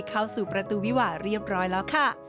เข้าสู่ประตูวิหวะเรียบร้อยแล้วค่ะ